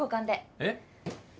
えっ？